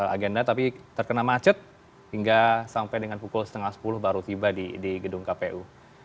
agenda tapi terkena macet hingga sampai dengan pukul setengah sepuluh baru tiba di gedung kpu